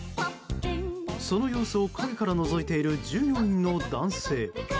その様子を陰からのぞいている従業員の男性。